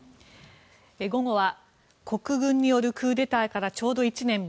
午後は国軍によるクーデターからちょうど１年。